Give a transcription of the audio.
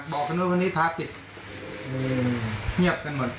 บอกกันว่าวันนี้ภารกิจเงียบกันหมด